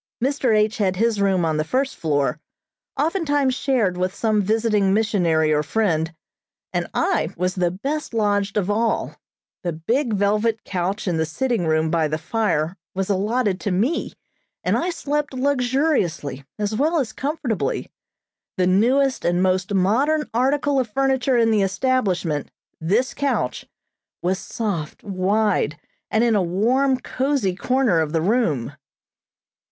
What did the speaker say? Mr. H. had his room on the first floor, oftentimes shared with some visiting missionary or friend, and I was the best lodged of all. The big velvet couch in the sitting room by the fire was allotted to me, and I slept luxuriously, as well as comfortably. The newest and most modern article of furniture in the establishment, this couch, was soft, wide, and in a warm, cozy corner of the room.